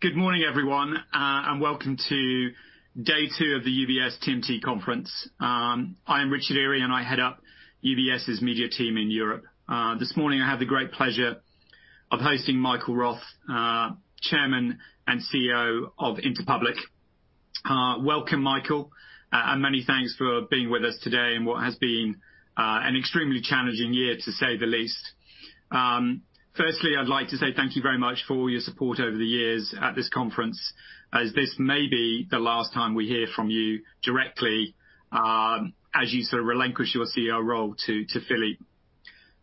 Good morning, everyone, and welcome to day two of the UBS TMT Conference. I am Richard Eary, and I head up UBS's media team in Europe. This morning, I have the great pleasure of hosting Michael Roth, Chairman and CEO of Interpublic. Welcome, Michael, and many thanks for being with us today in what has been an extremely challenging year, to say the least. Firstly, I'd like to say thank you very much for all your support over the years at this conference, as this may be the last time we hear from you directly as you sort of relinquish your CEO role to Philippe.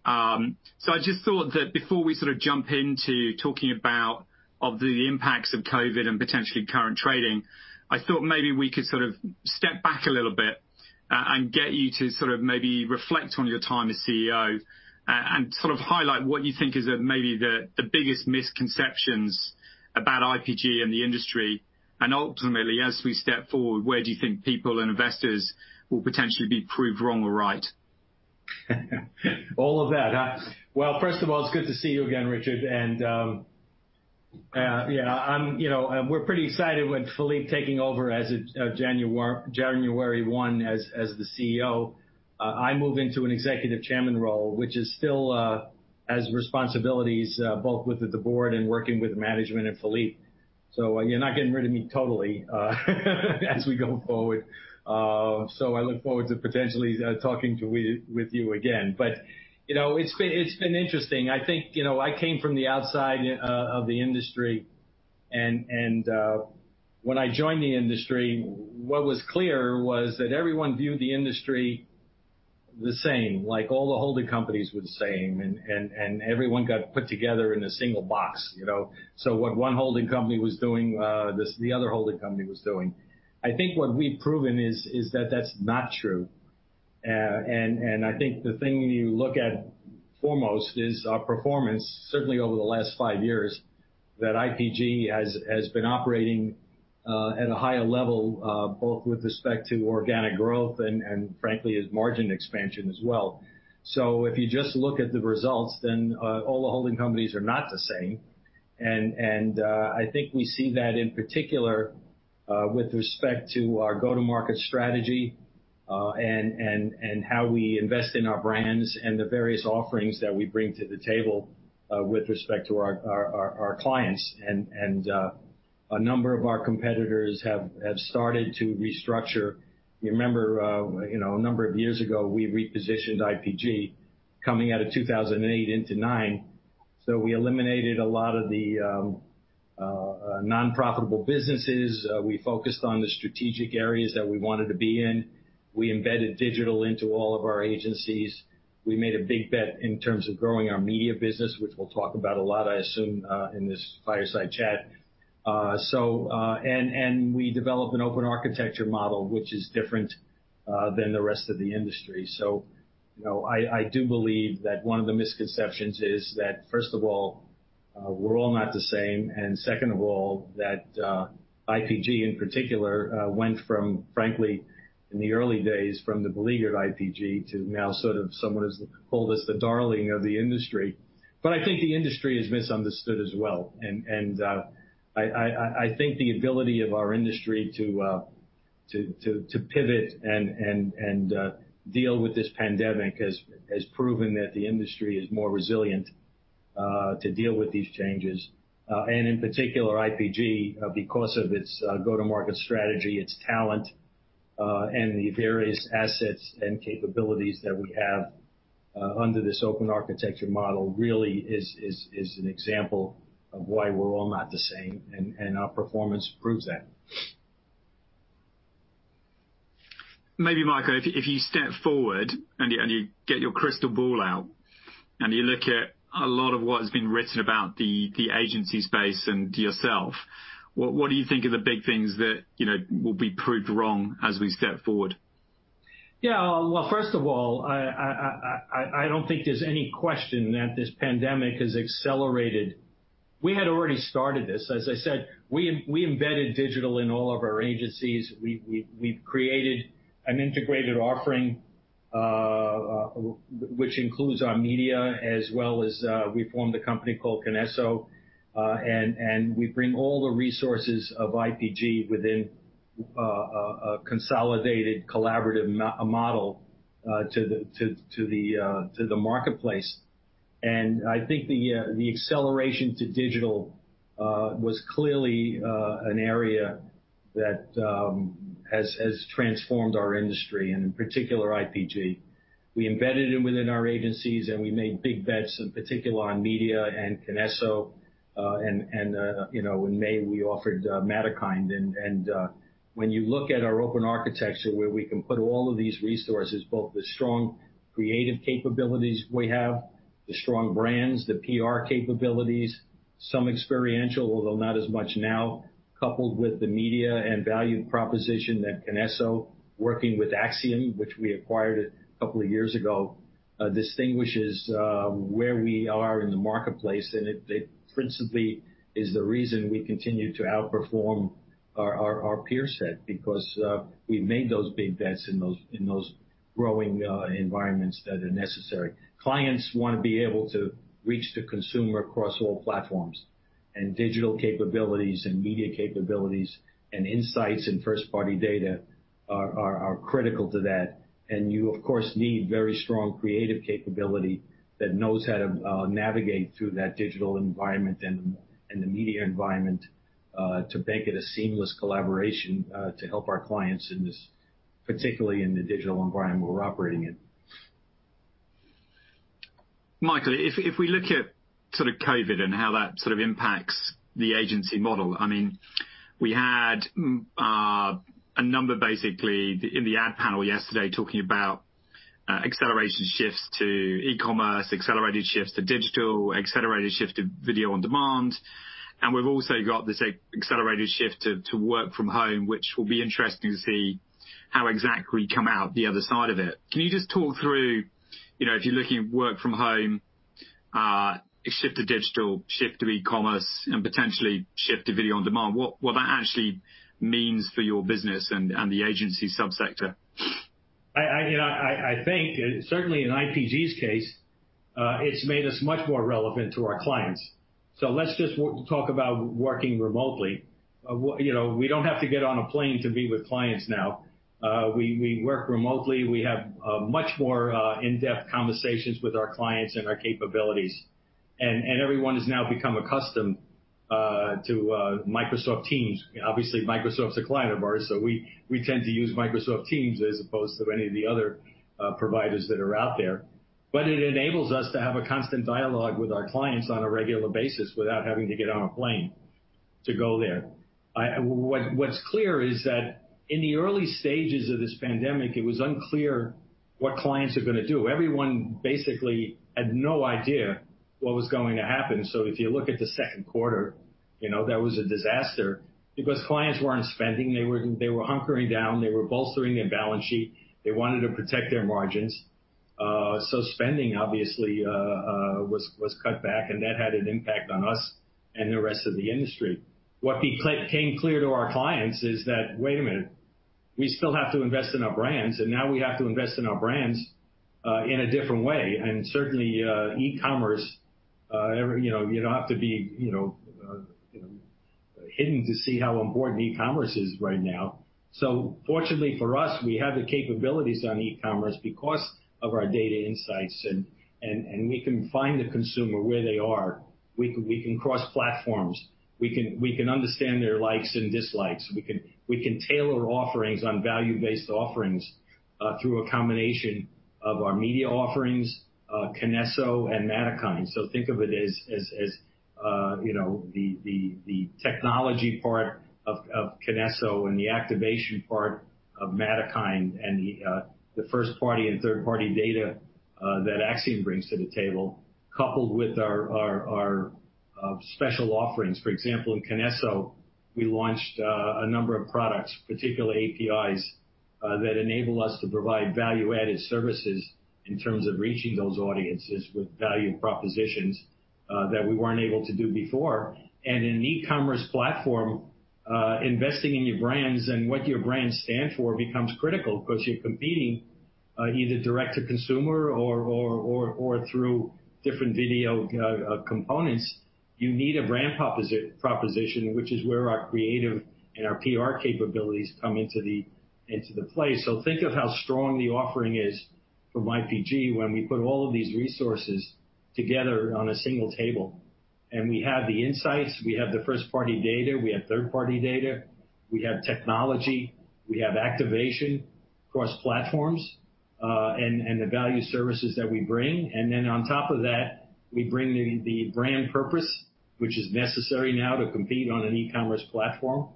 So I just thought that before we sort of jump into talking about the impacts of COVID and potentially current trading, I thought maybe we could sort of step back a little bit and get you to sort of maybe reflect on your time as CEO and sort of highlight what you think is maybe the biggest misconceptions about IPG and the industry. And ultimately, as we step forward, where do you think people and investors will potentially be proved wrong or right? All of that. Well, first of all, it's good to see you again, Richard. And yeah, we're pretty excited with Philippe taking over as of January 1 as the CEO. I move into an executive chairman role, which still has responsibilities both with the board and working with management and Philippe. So you're not getting rid of me totally as we go forward. So I look forward to potentially talking with you again. But it's been interesting. I think I came from the outside of the industry. And when I joined the industry, what was clear was that everyone viewed the industry the same, like all the holding companies were the same, and everyone got put together in a single box. So what one holding company was doing, the other holding company was doing. I think what we've proven is that that's not true. And I think the thing you look at foremost is our performance, certainly over the last five years, that IPG has been operating at a higher level both with respect to organic growth and, frankly, its margin expansion as well. So if you just look at the results, then all the holding companies are not the same. And I think we see that in particular with respect to our go-to-market strategy and how we invest in our brands and the various offerings that we bring to the table with respect to our clients. And a number of our competitors have started to restructure. You remember a number of years ago, we repositioned IPG coming out of 2008 into 2009. So we eliminated a lot of the nonprofitable businesses. We focused on the strategic areas that we wanted to be in. We embedded digital into all of our agencies. We made a big bet in terms of growing our media business, which we'll talk about a lot, I assume, in this fireside chat, and we developed an Open Architecture model, which is different than the rest of the industry, so I do believe that one of the misconceptions is that, first of all, we're all not the same, and second of all, that IPG in particular went from, frankly, in the early days, from the beleaguered IPG to now sort of someone who's called us the darling of the industry, but I think the industry is misunderstood as well, and I think the ability of our industry to pivot and deal with this pandemic has proven that the industry is more resilient to deal with these changes. In particular, IPG, because of its go-to-market strategy, its talent, and the various assets and capabilities that we have under this Open Architecture model really is an example of why we're all not the same. Our performance proves that. Maybe, Michael, if you step forward and you get your crystal ball out and you look at a lot of what has been written about the agency space and yourself, what do you think are the big things that will be proved wrong as we step forward? Yeah. Well, first of all, I don't think there's any question that this pandemic has accelerated. We had already started this. As I said, we embedded digital in all of our agencies. We've created an integrated offering, which includes our media, as well as we formed a company called Kinesso. And we bring all the resources of IPG within a consolidated collaborative model to the marketplace. And I think the acceleration to digital was clearly an area that has transformed our industry and, in particular, IPG. We embedded it within our agencies, and we made big bets, in particular, on media and Kinesso. And in May, we offered Matterkind. When you look at our Open Architecture, where we can put all of these resources, both the strong creative capabilities we have, the strong brands, the PR capabilities, some experiential, although not as much now, coupled with the media and value proposition that Kinesso, working with Acxiom, which we acquired a couple of years ago, distinguishes where we are in the marketplace. It principally is the reason we continue to outperform our peer set because we've made those big bets in those growing environments that are necessary. Clients want to be able to reach the consumer across all platforms. Digital capabilities and media capabilities and insights and first-party data are critical to that. You, of course, need very strong creative capability that knows how to navigate through that digital environment and the media environment to make it a seamless collaboration to help our clients, particularly in the digital environment we're operating in. Michael, if we look at sort of COVID and how that sort of impacts the agency model, I mean, we had a number basically in the ad panel yesterday talking about acceleration shifts to e-commerce, accelerated shifts to digital, accelerated shift to video on demand. And we've also got this accelerated shift to work from home, which will be interesting to see how exactly we come out the other side of it. Can you just talk through, if you're looking at work from home, shift to digital, shift to e-commerce, and potentially shift to video on demand, what that actually means for your business and the agency subsector? I think, certainly in IPG's case, it's made us much more relevant to our clients. So let's just talk about working remotely. We don't have to get on a plane to meet with clients now. We work remotely. We have much more in-depth conversations with our clients and our capabilities. And everyone has now become accustomed to Microsoft Teams. Obviously, Microsoft's a client of ours, so we tend to use Microsoft Teams as opposed to any of the other providers that are out there. But it enables us to have a constant dialogue with our clients on a regular basis without having to get on a plane to go there. What's clear is that in the early stages of this pandemic, it was unclear what clients are going to do. Everyone basically had no idea what was going to happen. So if you look at the second quarter, that was a disaster because clients weren't spending. They were hunkering down. They were bolstering their balance sheet. They wanted to protect their margins. So spending, obviously, was cut back. And that had an impact on us and the rest of the industry. What became clear to our clients is that, wait a minute, we still have to invest in our brands. And now we have to invest in our brands in a different way. And certainly, e-commerce, you don't have to be blind to see how important e-commerce is right now. So fortunately for us, we have the capabilities on e-commerce because of our data insights. And we can find the consumer where they are. We can cross platforms. We can understand their likes and dislikes. We can tailor offerings on value-based offerings through a combination of our media offerings, Kinesso, and Matterkind. So think of it as the technology part of Kinesso and the activation part of Matterkind and the first-party and third-party data that Acxiom brings to the table, coupled with our special offerings. For example, in Kinesso, we launched a number of products, particularly APIs, that enable us to provide value-added services in terms of reaching those audiences with value propositions that we weren't able to do before. And in an e-commerce platform, investing in your brands and what your brands stand for becomes critical because you're competing either direct to consumer or through different video components. You need a brand proposition, which is where our creative and our PR capabilities come into play. So think of how strong the offering is from IPG when we put all of these resources together on a single table. And we have the insights. We have the first-party data. We have third-party data. We have technology. We have activation across platforms and the value services that we bring. And then on top of that, we bring the brand purpose, which is necessary now to compete on an e-commerce platform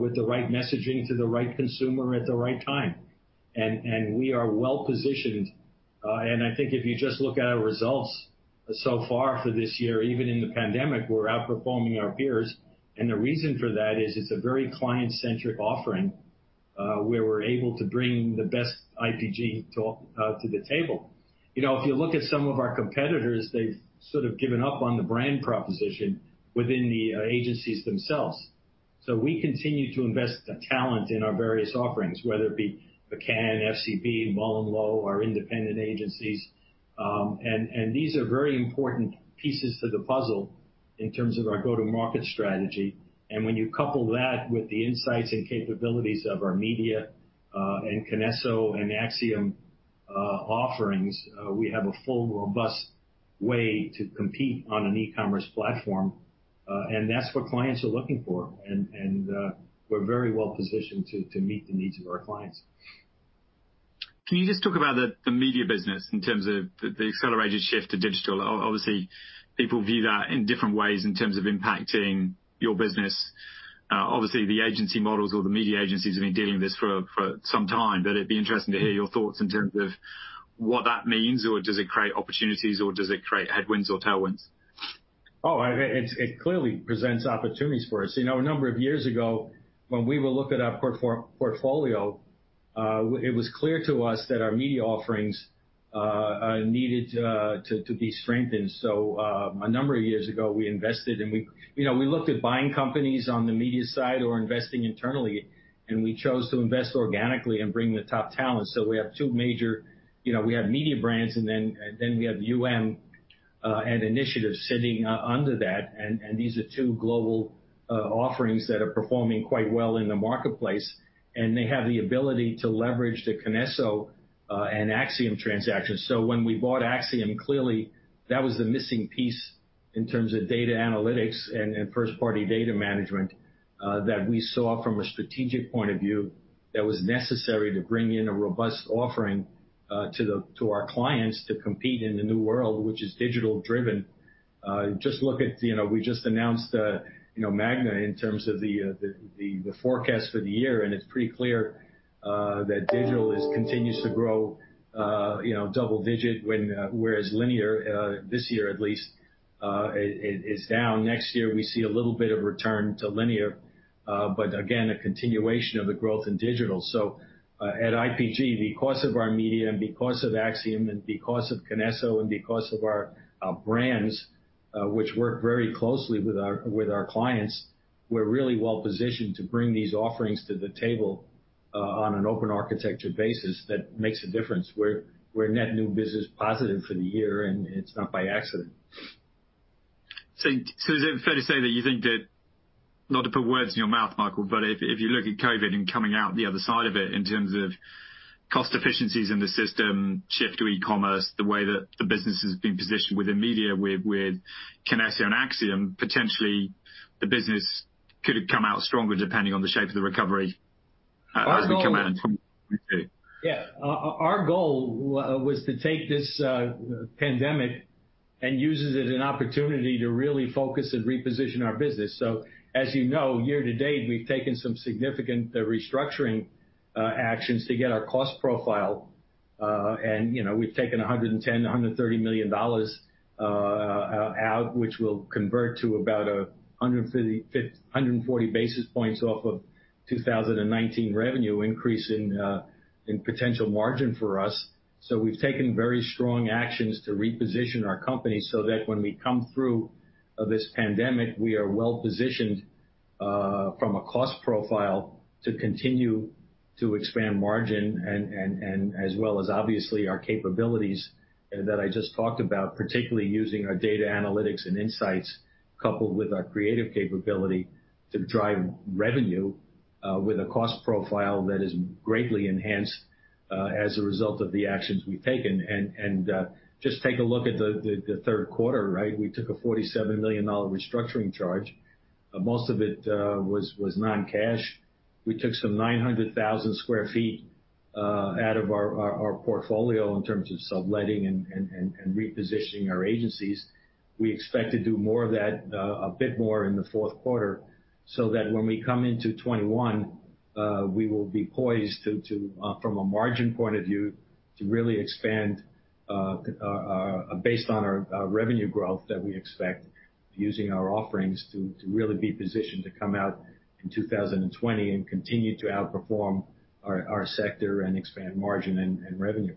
with the right messaging to the right consumer at the right time. And we are well positioned. And I think if you just look at our results so far for this year, even in the pandemic, we're outperforming our peers. And the reason for that is it's a very client-centric offering where we're able to bring the best IPG to the table. If you look at some of our competitors, they've sort of given up on the brand proposition within the agencies themselves, so we continue to invest the talent in our various offerings, whether it be McCann, FCB, MullenLowe, our independent agencies, and these are very important pieces to the puzzle in terms of our go-to-market strategy, and when you couple that with the insights and capabilities of our media and Kinesso and Acxiom offerings, we have a full, robust way to compete on an e-commerce platform, and that's what clients are looking for, and we're very well positioned to meet the needs of our clients. Can you just talk about the media business in terms of the accelerated shift to digital? Obviously, people view that in different ways in terms of impacting your business. Obviously, the agency models or the media agencies have been dealing with this for some time. But it'd be interesting to hear your thoughts in terms of what that means. Or does it create opportunities? Or does it create headwinds or tailwinds? Oh, it clearly presents opportunities for us. A number of years ago, when we were looking at our portfolio, it was clear to us that our media offerings needed to be strengthened, so a number of years ago, we invested. And we looked at buying companies on the media side or investing internally, and we chose to invest organically and bring the top talent, so we have two major media brands, and then we have Initiative sitting under that. And these are two global offerings that are performing quite well in the marketplace, and they have the ability to leverage the Kinesso and Acxiom transactions. So when we bought Acxiom, clearly, that was the missing piece in terms of data analytics and first-party data management that we saw from a strategic point of view that was necessary to bring in a robust offering to our clients to compete in the new world, which is digital-driven. Just look at, we just announced Magna in terms of the forecast for the year. And it's pretty clear that digital continues to grow double-digit, whereas linear, this year at least, is down. Next year, we see a little bit of return to linear. But again, a continuation of the growth in digital. So at IPG, because of our media and because of Acxiom and because of Kinesso and because of our brands, which work very closely with our clients, we're really well positioned to bring these offerings to the table on an Open Architecture basis that makes a difference. We're net new business positive for the year, and it's not by accident. So is it fair to say that you think that not to put words in your mouth, Michael, but if you look at COVID and coming out the other side of it in terms of cost efficiencies in the system, shift to e-commerce, the way that the business has been positioned within media with Kinesso and Acxiom, potentially the business could have come out stronger depending on the shape of the recovery as we come out in 2022? Yeah. Our goal was to take this pandemic and use it as an opportunity to really focus and reposition our business. So as you know, year to date, we've taken some significant restructuring actions to get our cost profile. And we've taken $110-$130 million out, which will convert to about 140 basis points off of 2019 revenue increase in potential margin for us. So we've taken very strong actions to reposition our company so that when we come through this pandemic, we are well positioned from a cost profile to continue to expand margin as well as, obviously, our capabilities that I just talked about, particularly using our data analytics and insights coupled with our creative capability to drive revenue with a cost profile that is greatly enhanced as a result of the actions we've taken. And just take a look at the third quarter, right? We took a $47 million restructuring charge. Most of it was non-cash. We took some 900,000 sq ft out of our portfolio in terms of subletting and repositioning our agencies. We expect to do more of that, a bit more in the fourth quarter, so that when we come into 2021, we will be poised from a margin point of view to really expand based on our revenue growth that we expect using our offerings to really be positioned to come out in 2020 and continue to outperform our sector and expand margin and revenue.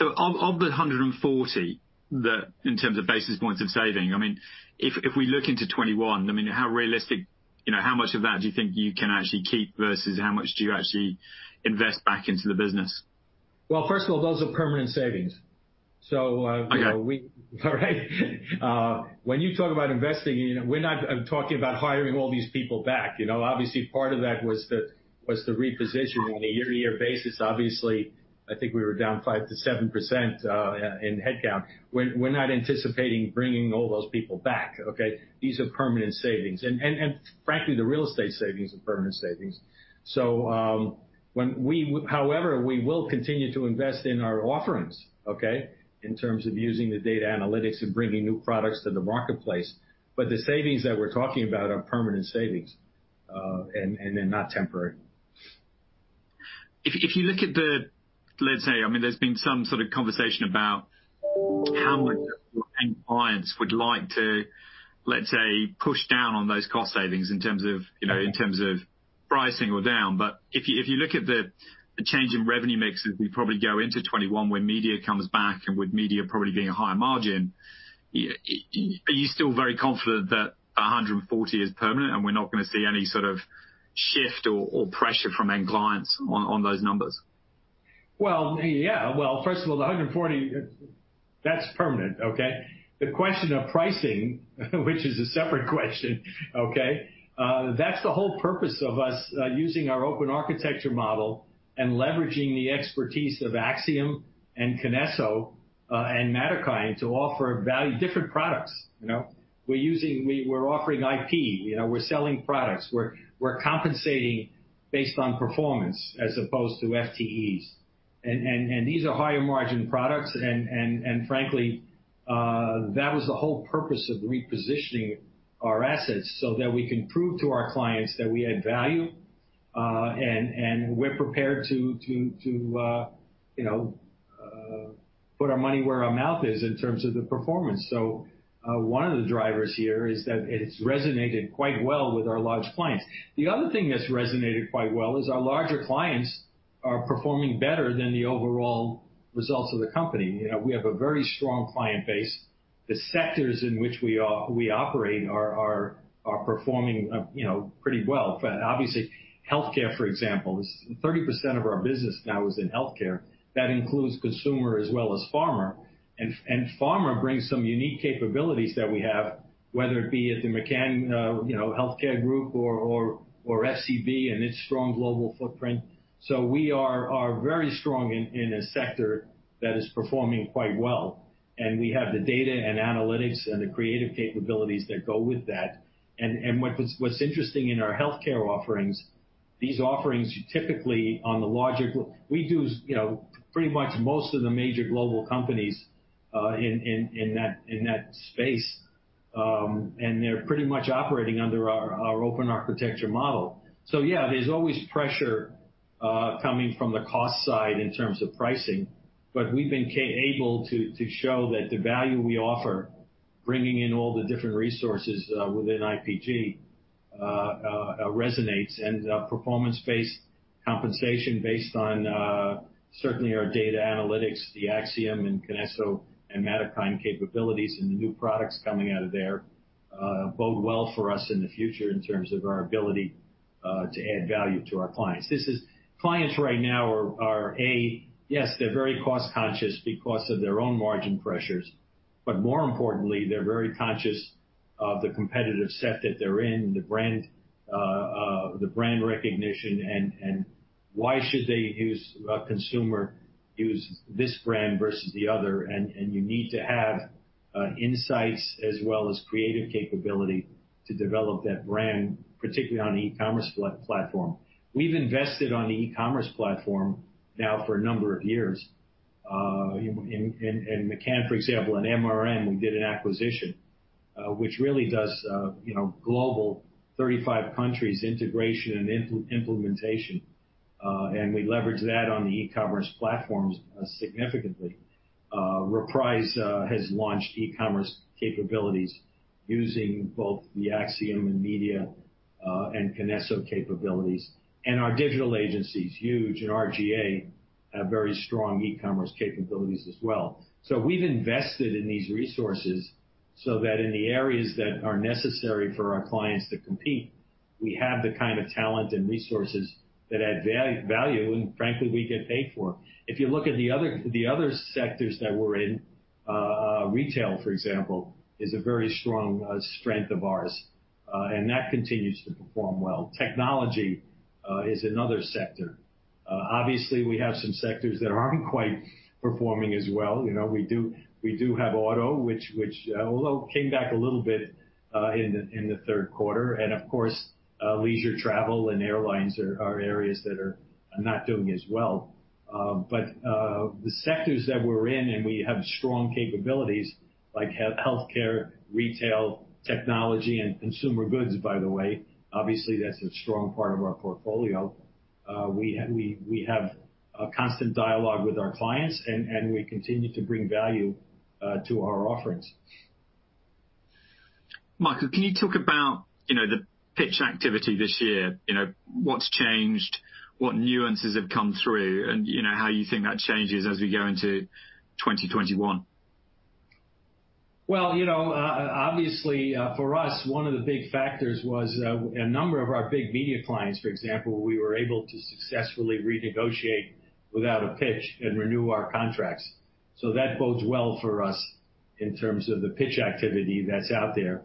Of the 140 in terms of basis points of saving, I mean, if we look into 2021, I mean, how realistic how much of that do you think you can actually keep versus how much do you actually invest back into the business? Well, first of all, those are permanent savings. So when you talk about investing, we're not talking about hiring all these people back. Obviously, part of that was the repositioning on a year-to-year basis. Obviously, I think we were down 5%-7% in headcount. We're not anticipating bringing all those people back, OK? These are permanent savings. And frankly, the real estate savings are permanent savings. So however, we will continue to invest in our offerings, OK, in terms of using the data analytics and bringing new products to the marketplace. But the savings that we're talking about are permanent savings and they're not temporary. If you look at the, let's say, I mean, there's been some sort of conversation about how much clients would like to, let's say, push down on those cost savings in terms of pricing or down. But if you look at the change in revenue mixes we probably go into 2021 when media comes back and with media probably being a higher margin, are you still very confident that 140 is permanent and we're not going to see any sort of shift or pressure from end clients on those numbers? Yeah. First of all, the 140, that's permanent, OK? The question of pricing, which is a separate question, OK, that's the whole purpose of us using our open architecture model and leveraging the expertise of Acxiom and Kinesso and Matterkind to offer different products. We're offering IP. We're selling products. We're compensating based on performance as opposed to FTEs. And these are higher margin products. And frankly, that was the whole purpose of repositioning our assets so that we can prove to our clients that we add value. And we're prepared to put our money where our mouth is in terms of the performance. So one of the drivers here is that it's resonated quite well with our large clients. The other thing that's resonated quite well is our larger clients are performing better than the overall results of the company. We have a very strong client base. The sectors in which we operate are performing pretty well. Obviously, health care, for example, 30% of our business now is in health care that includes consumer as well as pharma, and pharma brings some unique capabilities that we have, whether it be at the McCann Health or FCB and its strong global footprint, so we are very strong in a sector that is performing quite well, and we have the data and analytics and the creative capabilities that go with that, and what's interesting in our health care offerings, these offerings typically in pharma we do pretty much most of the major global companies in that space, and they're pretty much operating under our Open Architecture model, so yeah, there's always pressure coming from the cost side in terms of pricing. But we've been able to show that the value we offer, bringing in all the different resources within IPG, resonates. And performance-based compensation based on certainly our data analytics, the Acxiom and Kinesso and Matterkind capabilities, and the new products coming out of there bode well for us in the future in terms of our ability to add value to our clients. Clients right now are, A, yes, they're very cost conscious because of their own margin pressures. But more importantly, they're very conscious of the competitive set that they're in, the brand recognition. And why should a consumer use this brand versus the other? And you need to have insights as well as creative capability to develop that brand, particularly on an e-commerce platform. We've invested on the e-commerce platform now for a number of years. McCann, for example, and MRM, we did an acquisition, which really does global 35 countries integration and implementation. We leverage that on the e-commerce platforms significantly. Reprise has launched e-commerce capabilities using both the Acxiom and Mediabrands and Kinesso capabilities. Our digital agencies, Huge, and R/GA have very strong e-commerce capabilities as well. We've invested in these resources so that in the areas that are necessary for our clients to compete, we have the kind of talent and resources that add value. Frankly, we get paid for. If you look at the other sectors that we're in, retail, for example, is a very strong strength of ours. That continues to perform well. Technology is another sector. Obviously, we have some sectors that aren't quite performing as well. We do have auto, which although came back a little bit in the third quarter. Of course, leisure travel and airlines are areas that are not doing as well. The sectors that we're in and we have strong capabilities like health care, retail, technology, and consumer goods, by the way, obviously that's a strong part of our portfolio. We have constant dialogue with our clients. We continue to bring value to our offerings. Michael, can you talk about the pitch activity this year? What's changed? What nuances have come through? And how you think that changes as we go into 2021? Obviously, for us, one of the big factors was a number of our big media clients, for example, we were able to successfully renegotiate without a pitch and renew our contracts. So that bodes well for us in terms of the pitch activity that's out there.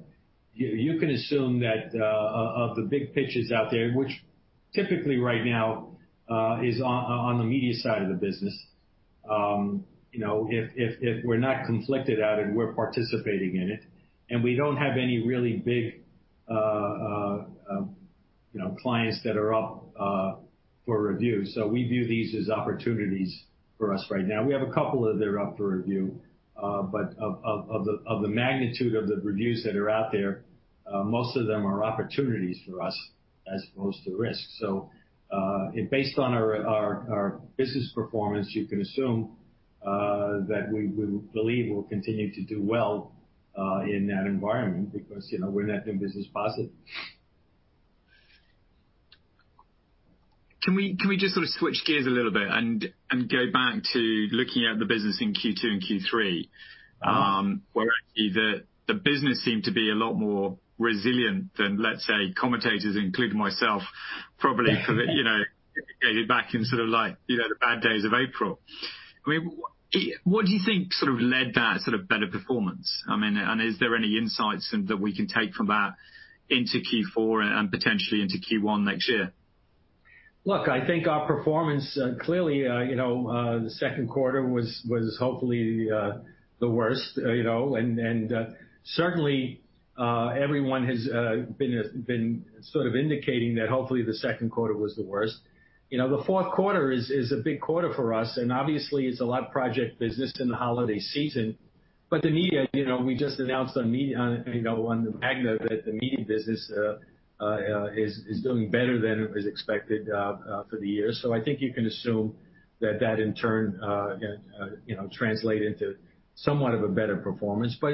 You can assume that of the big pitches out there, which typically right now is on the media side of the business, if we're not conflicted out and we're participating in it, and we don't have any really big clients that are up for review. So we view these as opportunities for us right now. We have a couple of that are up for review. But of the magnitude of the reviews that are out there, most of them are opportunities for us as opposed to risk. So based on our business performance, you can assume that we believe we'll continue to do well in that environment because we're net new business positive. Can we just sort of switch gears a little bit and go back to looking at the business in Q2 and Q3, where the business seemed to be a lot more resilient than, let's say, commentators, including myself, probably back in sort of like the bad days of April? I mean, what do you think sort of led that sort of better performance? I mean, and is there any insights that we can take from that into Q4 and potentially into Q1 next year? Look, I think our performance clearly the second quarter was hopefully the worst. Certainly, everyone has been sort of indicating that hopefully the second quarter was the worst. The fourth quarter is a big quarter for us. And obviously, it's a lot of project business in the holiday season. But the media, we just announced on the Magna that the media business is doing better than it was expected for the year. So I think you can assume that that in turn translate into somewhat of a better performance. But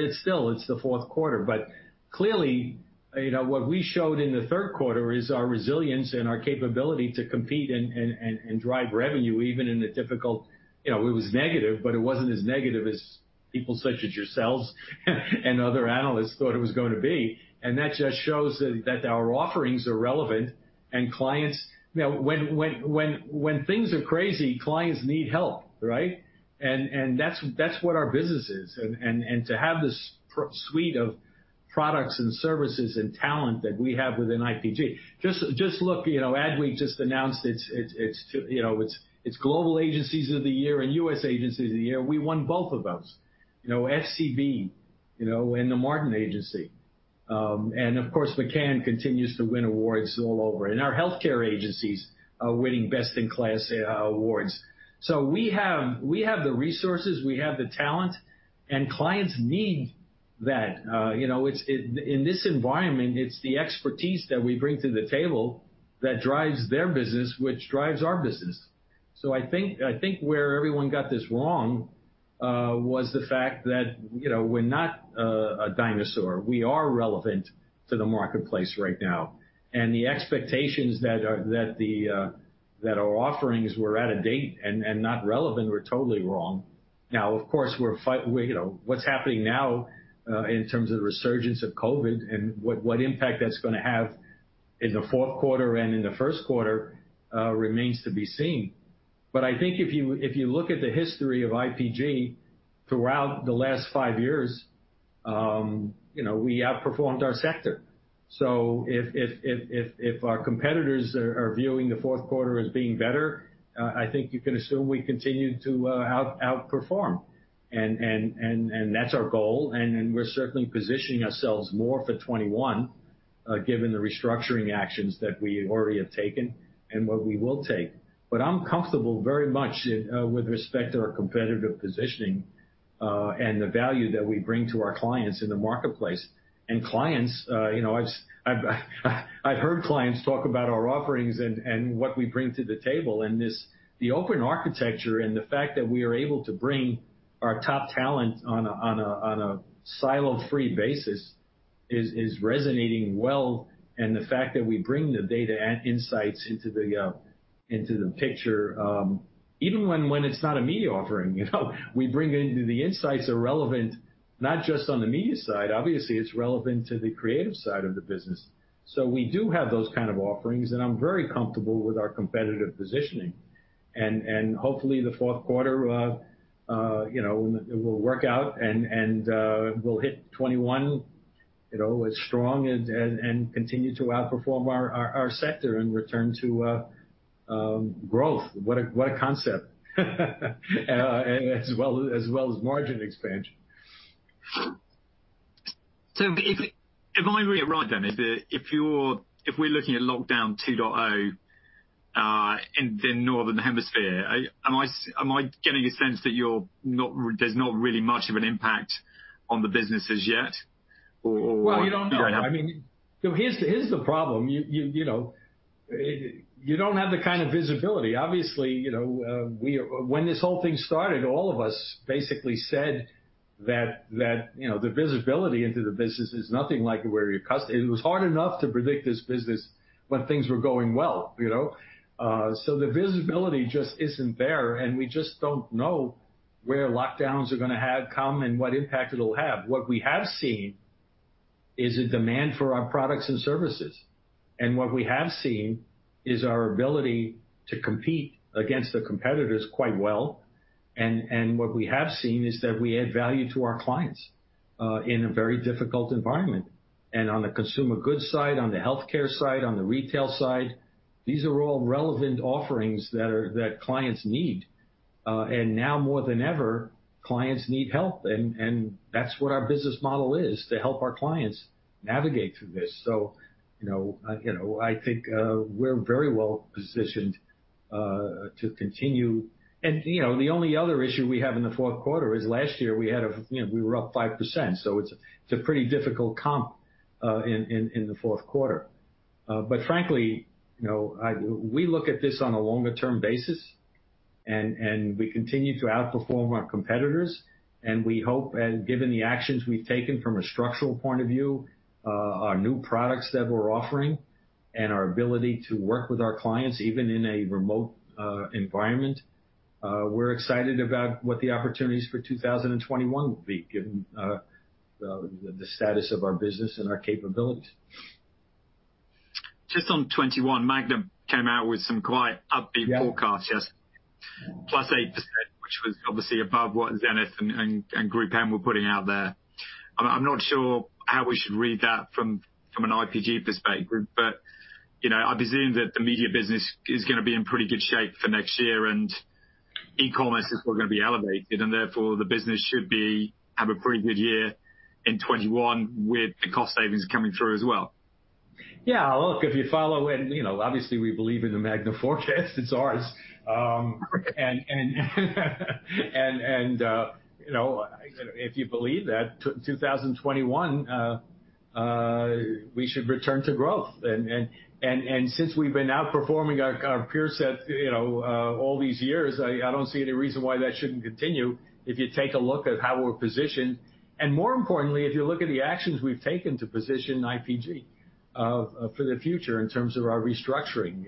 it's still, it's the fourth quarter. But clearly, what we showed in the third quarter is our resilience and our capability to compete and drive revenue even in a difficult. It was negative, but it wasn't as negative as people such as yourselves and other analysts thought it was going to be. And that just shows that our offerings are relevant. And clients, when things are crazy, clients need help, right? And that's what our business is. And to have this suite of products and services and talent that we have within IPG, just look, Adweek just announced its global agencies of the year and U.S. agencies of the year. We won both of those, FCB and The Martin Agency. And of course, McCann continues to win awards all over. And our health care agencies are winning best in class awards. So we have the resources. We have the talent. And clients need that. In this environment, it's the expertise that we bring to the table that drives their business, which drives our business. So I think where everyone got this wrong was the fact that we're not a dinosaur. We are relevant to the marketplace right now. And the expectations that our offerings were out of date and not relevant were totally wrong. Now, of course, what's happening now in terms of the resurgence of COVID and what impact that's going to have in the fourth quarter and in the first quarter remains to be seen. But I think if you look at the history of IPG throughout the last five years, we outperformed our sector. So if our competitors are viewing the fourth quarter as being better, I think you can assume we continue to outperform. And that's our goal. And we're certainly positioning ourselves more for 2021 given the restructuring actions that we already have taken and what we will take. But I'm comfortable very much with respect to our competitive positioning and the value that we bring to our clients in the marketplace. Clients, I've heard clients talk about our offerings and what we bring to the table. The open architecture and the fact that we are able to bring our top talent on a silo-free basis is resonating well. The fact that we bring the data and insights into the picture, even when it's not a media offering, we bring into the insights are relevant, not just on the media side. Obviously, it's relevant to the creative side of the business. We do have those kind of offerings. I'm very comfortable with our competitive positioning. Hopefully, the fourth quarter will work out. We'll hit 2021 as strong and continue to outperform our sector and return to growth. What a concept, as well as margin expansion. So if I'm right then, if we're looking at lockdown 2.0 in the Northern Hemisphere, am I getting a sense that there's not really much of an impact on the businesses yet? You don't know. I mean, here's the problem. You don't have the kind of visibility. Obviously, when this whole thing started, all of us basically said that the visibility into the business is nothing like where you're customary. It was hard enough to predict this business when things were going well. So the visibility just isn't there. And we just don't know where lockdowns are going to come and what impact it'll have. What we have seen is a demand for our products and services. And what we have seen is our ability to compete against the competitors quite well. And what we have seen is that we add value to our clients in a very difficult environment. And on the consumer goods side, on the health care side, on the retail side, these are all relevant offerings that clients need. And now more than ever, clients need help. And that's what our business model is, to help our clients navigate through this. So I think we're very well positioned to continue. And the only other issue we have in the fourth quarter is last year we were up 5%. So it's a pretty difficult comp in the fourth quarter. But frankly, we look at this on a longer-term basis. And we continue to outperform our competitors. And we hope, given the actions we've taken from a structural point of view, our new products that we're offering, and our ability to work with our clients even in a remote environment, we're excited about what the opportunities for 2021 will be given the status of our business and our capabilities. Just on 2021, Magna came out with some quite upbeat forecasts, yes, plus 8%, which was obviously above what Zenith and GroupM were putting out there. I'm not sure how we should read that from an IPG perspective, but I presume that the media business is going to be in pretty good shape for next year, and e-commerce is still going to be elevated, and therefore, the business should have a pretty good year in 2021 with the cost savings coming through as well. Yeah. Look, if you follow, and obviously, we believe in the Magna forecast. It's ours. And if you believe that, 2021, we should return to growth. And since we've been outperforming our peers all these years, I don't see any reason why that shouldn't continue if you take a look at how we're positioned. And more importantly, if you look at the actions we've taken to position IPG for the future in terms of our restructuring,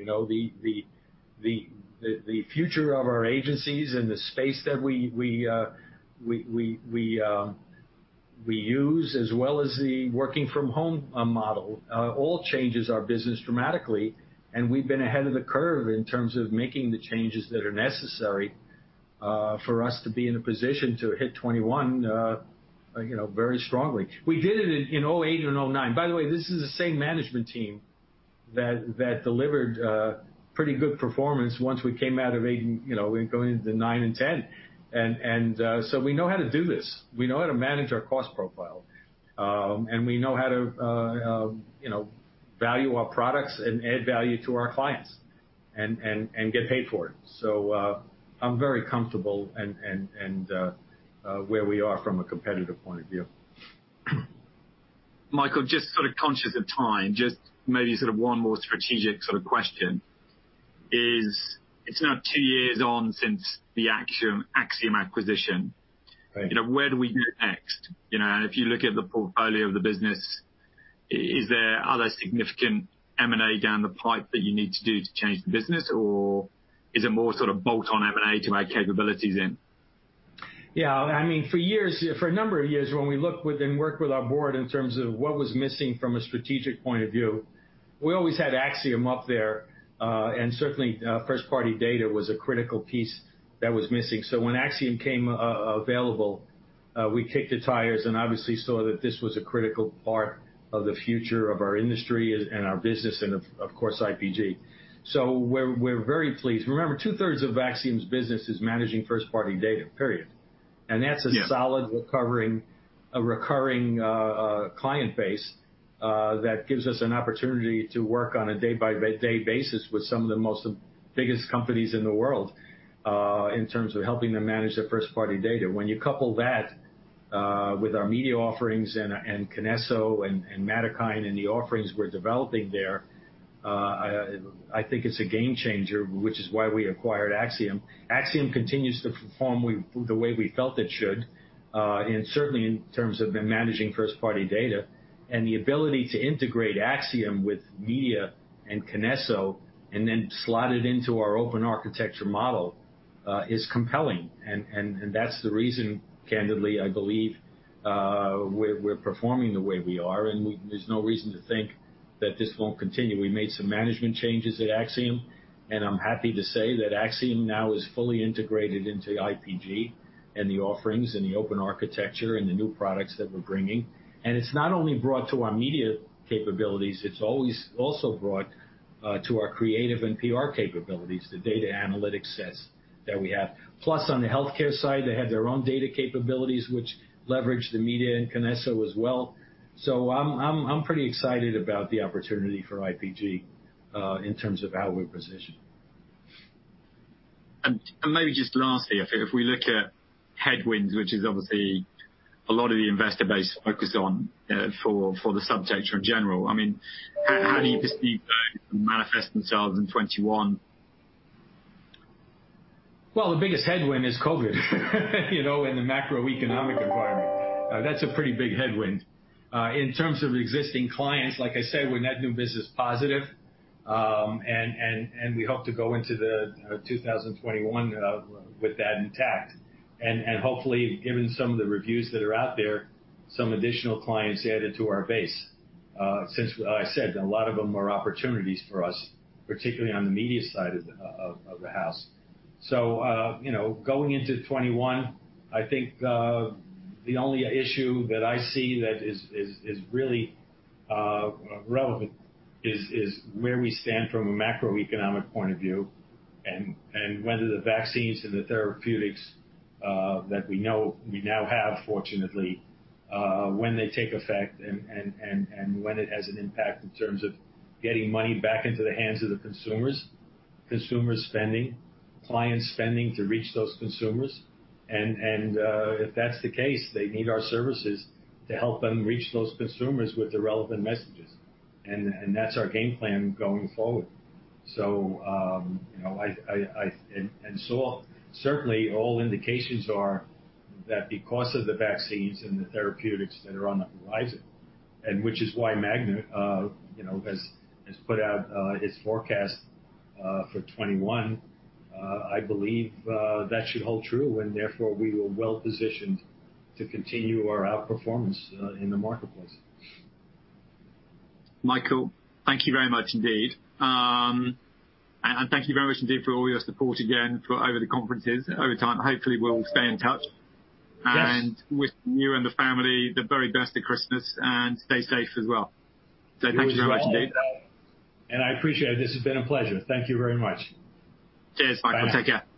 the future of our agencies and the space that we use as well as the working-from-home model all changes our business dramatically. And we've been ahead of the curve in terms of making the changes that are necessary for us to be in a position to hit 2021 very strongly. We did it in 2008 and 2009. By the way, this is the same management team that delivered pretty good performance once we came out of 2008 and going into 2009 and 2010, and so we know how to do this. We know how to manage our cost profile, and we know how to value our products and add value to our clients and get paid for it, so I'm very comfortable where we are from a competitive point of view. Michael, just sort of conscious of time, just maybe sort of one more strategic sort of question is, it's now two years on since the Acxiom acquisition. Where do we go next? If you look at the portfolio of the business, is there other significant M&A down the pipe that you need to do to change the business? Or is it more sort of bolt-on M&A to add capabilities in? Yeah. I mean, for years, for a number of years, when we looked and worked with our board in terms of what was missing from a strategic point of view, we always had Acxiom up there. And certainly, first-party data was a critical piece that was missing. So when Acxiom came available, we kicked the tires and obviously saw that this was a critical part of the future of our industry and our business and, of course, IPG. So we're very pleased. Remember, two-thirds of Acxiom's business is managing first-party data, period. And that's a solid recurring client base that gives us an opportunity to work on a day-by-day basis with some of the biggest companies in the world in terms of helping them manage their first-party data. When you couple that with our media offerings and Kinesso and Matterkind and the offerings we're developing there, I think it's a game changer, which is why we acquired Acxiom. Acxiom continues to perform the way we felt it should, and certainly in terms of managing first-party data. The ability to integrate Acxiom with media and Kinesso and then slide it into our Open Architecture model is compelling. That's the reason, candidly, I believe, we're performing the way we are. There's no reason to think that this won't continue. We made some management changes at Acxiom. I'm happy to say that Acxiom now is fully integrated into IPG and the offerings and the Open Architecture and the new products that we're bringing. It's not only brought to our media capabilities. It's always also brought to our creative and PR capabilities, the data analytics sets that we have. Plus, on the health care side, they had their own data capabilities, which leveraged the media and Kinesso as well. I'm pretty excited about the opportunity for IPG in terms of how we're positioned. Maybe just lastly, if we look at headwinds, which is obviously a lot of the investor base focused on for the subject in general, I mean, how do you perceive those manifesting themselves in 2021? The biggest headwind is COVID and the macroeconomic environment. That's a pretty big headwind. In terms of existing clients, like I say, we're net new business positive. We hope to go into 2021 with that intact. Hopefully, given some of the reviews that are out there, some additional clients added to our base. Since, as I said, a lot of them are opportunities for us, particularly on the media side of the house. Going into 2021, I think the only issue that I see that is really relevant is where we stand from a macroeconomic point of view and whether the vaccines and the therapeutics that we know we now have, fortunately, when they take effect and when it has an impact in terms of getting money back into the hands of the consumers, consumers spending, clients spending to reach those consumers. And if that's the case, they need our services to help them reach those consumers with the relevant messages. And that's our game plan going forward. And so certainly, all indications are that because of the vaccines and the therapeutics that are on the horizon, and which is why Magna has put out its forecast for 2021, I believe that should hold true. And therefore, we were well positioned to continue our outperformance in the marketplace. Michael, thank you very much indeed and thank you very much indeed for all your support again for over the conferences over time. Hopefully, we'll stay in touch and wish you and the family the very best of Christmas and stay safe as well. Thank you very much. And I appreciate it. This has been a pleasure. Thank you very much. Cheers, Michael. Take care. Bye.